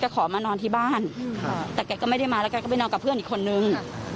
ขอมานอนที่บ้านแต่แกก็ไม่ได้มาแล้วแกก็ไปนอนกับเพื่อนอีกคนนึง